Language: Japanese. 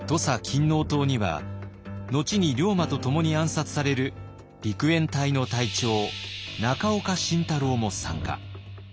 勤王党には後に龍馬と共に暗殺される陸援隊の隊長中岡慎太郎も参加。